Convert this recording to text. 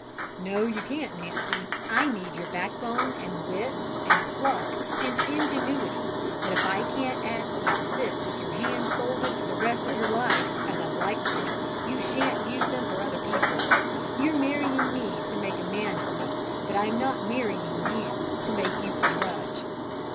"No, you can't, Nancy. I need your backbone and wits and pluck and ingenuity, but if I can't ask you to sit with your hands folded for the rest of your life, as I'd like to, you shan't use them for other people. You're marrying me to make a man of me, but I'm not marrying you to make you a drudge."